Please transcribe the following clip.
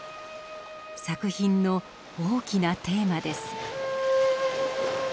作品の大きなテーマです。